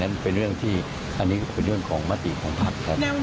นั้นเป็นเรื่องที่อันนี้เป็นเรื่องของหมดติดของพัก